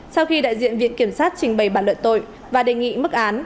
sau khi đại diện viện kiểm sát trình bày bản luận tội và đề nghị mức án